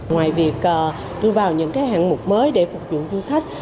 ngoài việc đưa vào những hạng mục mới để phục vụ du khách